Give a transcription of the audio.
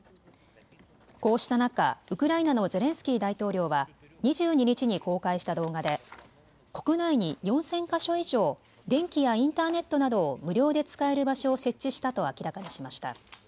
こうした中、ウクライナのゼレンスキー大統領は２２日に公開した動画で国内に４０００か所以上、電気やインターネットなどを無料で使える場所を設置したと明らかにしました。